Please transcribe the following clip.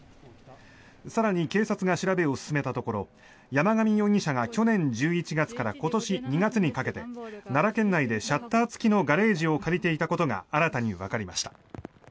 更に、警察が調べを進めたところ山上容疑者が去年１１月から今年２月にかけて奈良県内でシャッター付きのガレージを借りていたことが新たにわかりました。